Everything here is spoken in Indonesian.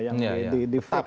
yang di fix